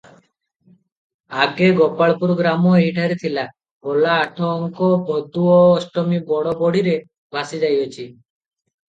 ଆଗେ ଗୋପାଳପୁର ଗ୍ରାମ ଏହିଠାରେ ଥିଲା, ଗଲା ଆଠ ଅଙ୍କ ଭୋଦୁଅ ଅଷ୍ଟମୀ ବଡ଼ ବଢ଼ିରେ ଭାସିଯାଇଅଛି ।